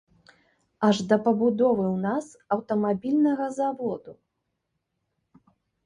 Аж да пабудовы ў нас аўтамабільнага заводу!